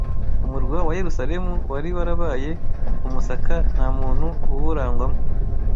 Umurwa wa Yerusalemu wari warabaye umusaka nta muntu uwurangwamo